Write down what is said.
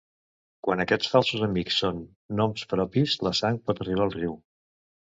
Quan aquests falsos amics són noms propis la sang pot arribar al riu.